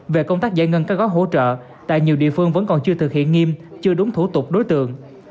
về công tác giải ngân các gói hỗ trợ tại nhiều địa phương vẫn còn chưa thực hiện nghiêm chưa đúng thủ tục đối tượng